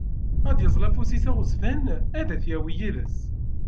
Ad d-yeẓẓel afus-is aɣezzfan ad t-yawi yid-s.